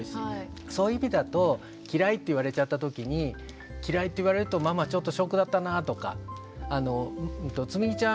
そういう意味だと「嫌い」って言われちゃったときに「嫌いって言われるとママちょっとショックだったなぁ」とか「つむぎちゃん